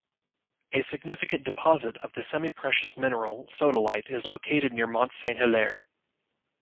A significant deposit of the semi-precious mineral sodalite is located near Mont-Saint-Hilaire.